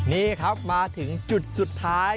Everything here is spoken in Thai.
นี่ครับมาถึงจุดสุดท้าย